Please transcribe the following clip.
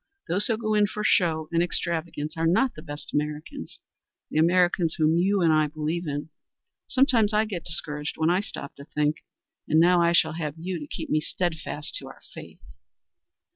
Those who go in for show and extravagance are not the best Americans the Americans whom you and I believe in. Sometimes I get discouraged when I stop to think, and now I shall have you to keep me steadfast to our faith."